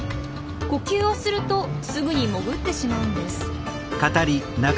呼吸をするとすぐに潜ってしまうんです。